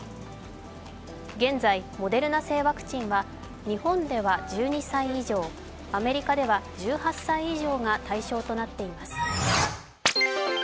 現在、モデルナ製ワクチンは日本では１２歳以上アメリカでは１８歳以上が対象となっています。